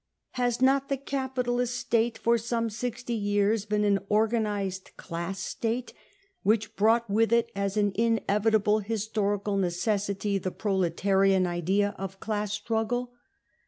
Has not the capitalist State for some 60 years been an organised class State, which Wrought 'with it as an inevitable historical necessity the proletarian idea of class struggle